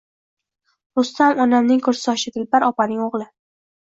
Rustam onamning kursdoshi Dilbar opaning o`g`li